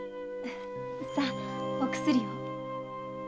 さあお薬を。